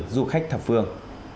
du khách thập phương